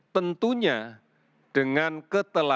tentunya dengan ketentuan